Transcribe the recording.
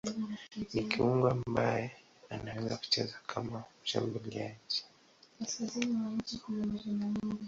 Ni kiungo ambaye anaweza kucheza kama mshambuliaji.